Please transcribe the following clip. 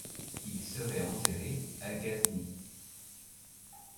Il serait enterré à Gasny.